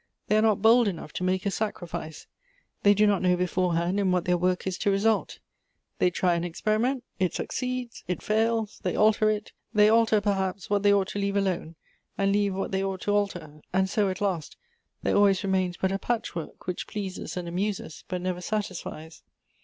They are not bold enough to make a sacrifice. They do not know beforehand in what their work is to result. They try an experiment — it succeeds — it fails ; they alter it ; they alter, perhaps, what they ought to leave alone, and leave what they ought to alter ; 2 26 Goethe's and so, at last, there always remains but a patchwork, which pleases and amuses, but never satisfies."